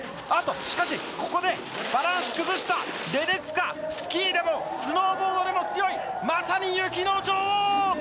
しかし、ここでバランス崩したレデツカ、スキーでもスノーボードでも強いまさに雪の女王！